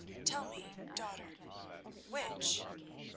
Tell me, daughter, which?"